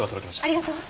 ありがとう。